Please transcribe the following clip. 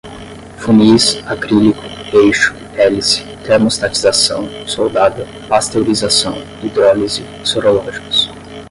funis, acrílico, eixo, hélice, termostatização, soldada, pasteurização, hidrólise, sorológicos